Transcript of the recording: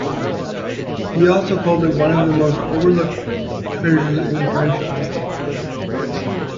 He also called it one of the most overlooked treasures in the franchise.